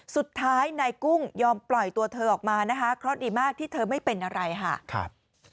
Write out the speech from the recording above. สุดท้ายนายกุ้งยอมปล่อยตัวเธอออกมานะคะเพราะดีมากที่เธอไม่เป็นอะไรค่ะ